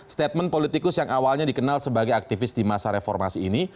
statement politikus yang awalnya dikenal sebagai aktivis di masa reformasi ini